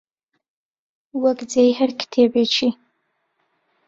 وەک جێی هەر کتێبێکی